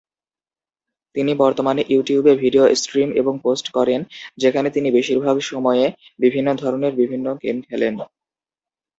তিনি বর্তমানে ইউটিউবে ভিডিও স্ট্রিম এবং পোস্ট করেন, যেখানে তিনি বেশিরভাগ সময়ে বিভিন্ন ধরনের বিভিন্ন গেম খেলেন।